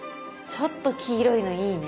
ちょっと黄色いのいいね。